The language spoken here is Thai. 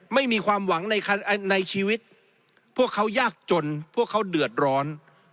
ไม่มีความหวังในชีวิตพวกเขายากจนพวกเขาเดือดร้อน